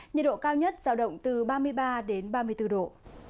nhiệt độ cao nhất giao động từ ba mươi ba đến ba mươi bốn độ